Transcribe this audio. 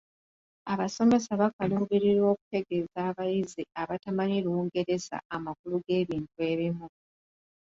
Abasomesa bakaluubirirwa okutegeeza abayizi abatamanyi Lungereza amakulu g’ebintu ebimu.